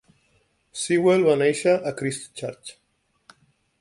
Sewell va néixer a Christchurch.